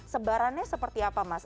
sebarannya seperti apa mas